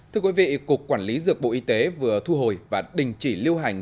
thưa quý vị cục quản lý dược bộ y tế vừa thu hồi và đình chỉ lưu hành